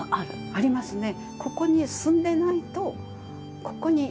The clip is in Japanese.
ありますね。